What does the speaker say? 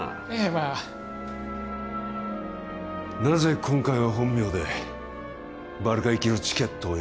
まあなぜ今回は本名でバルカ行きのチケットを予約した？